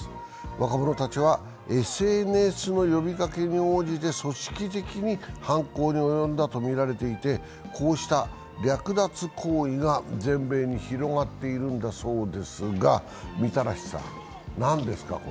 若者たちは、ＳＮＳの呼びかけに応じて組織的に犯行に及んだとみられていて、こうした略奪行為が全米に広がっているんだそうですが、みたらしさん、これは何ですか？